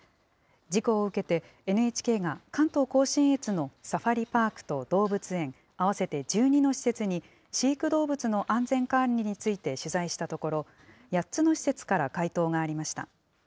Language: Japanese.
事故を受けて、ＮＨＫが関東甲信越のサファリパークと動物園、合わせて１２の施設に飼育動物の安全管理について取材したところ、８つの施設から回答がありました。